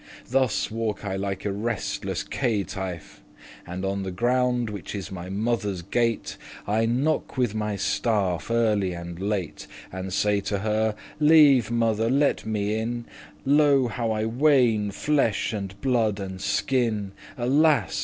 Thus walk I like a resteless caitife,* *miserable wretch And on the ground, which is my mother's gate, I knocke with my staff, early and late, And say to her, 'Leve* mother, let me in. *dear Lo, how I wane, flesh, and blood, and skin; Alas!